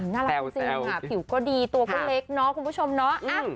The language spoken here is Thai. น่ารักจริงค่ะผิวก็ดีตัวก็เล็กเนาะคุณผู้ชมเนาะ